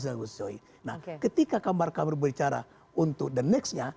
nah ketika kamar kamar berbicara untuk the next nya